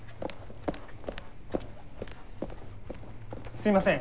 すいません。